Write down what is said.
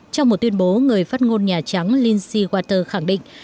trong một tuyên bố người phát ngôn nhà trắng lindsey watter khẳng định